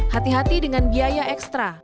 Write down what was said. hati hati dengan biaya ekstra